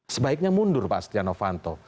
sebaiknya mundur pak stiano fanto